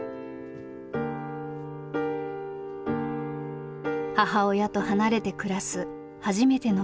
母親と離れて暮らす初めての経験。